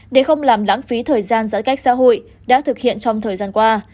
để không làm lãng phí thời gian giãn cách xã hội đã thực hiện trong thời gian qua